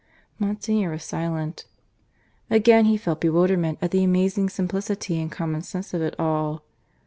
Monsignor was silent. Again he felt bewilderment at the amazing simplicity and common sense of it all.